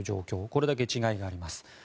これだけ違いがあります。